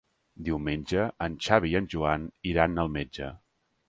Diumenge en Xavi i en Joan iran al metge.